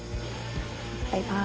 バイバーイ。